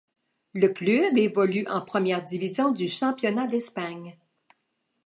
Le club évolue en première division du championnat d'Espagne.